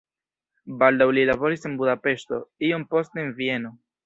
Baldaŭ li laboris en Budapeŝto, iom poste en Vieno.